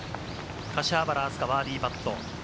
柏原明日架、バーディーパット。